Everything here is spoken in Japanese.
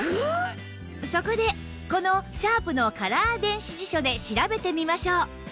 そこでこのシャープのカラー電子辞書で調べてみましょう